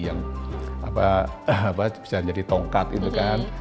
apa bisa menjadi tongkat itu kan